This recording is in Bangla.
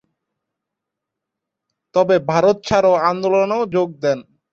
ভাবে ভারত ছাড়ো আন্দোলনেও যোগ দেন।